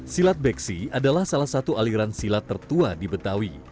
silat beksi adalah salah satu aliran silat tertua di betawi